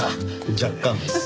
若干です。